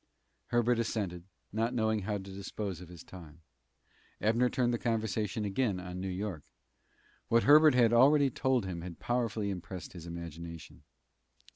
Herbert assented, not knowing how to dispose of his time. Abner turned the conversation again on New York. What Herbert had already told him had powerfully impressed his imagination.